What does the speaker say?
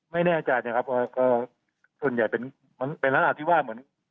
ไม่แน่ใจนะครับส่วนใหญ่เป็นมันเป็นประมาณที่ว่าแบบคือ